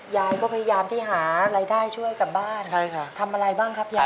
ยายก็พยายามที่หารายได้ช่วยกลับบ้านใช่ค่ะทำอะไรบ้างครับยาย